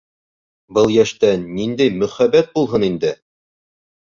Был йәштә ниндәй мөхәббәт булһын инде?!